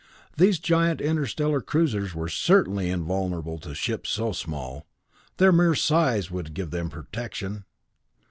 These giant interstellar cruisers were certainly invulnerable to ships so small; their mere size would give them protection!